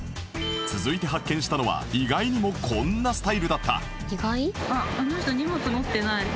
続いて発見したのは意外にもこんなスタイルだった